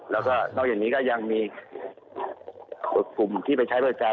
แล้วก็นอกจากนี้ก็ยังมีกลุ่มที่ไปใช้บริการ